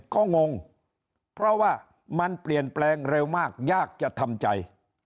ก็งงเพราะว่ามันเปลี่ยนแปลงเร็วมากยากจะทำใจ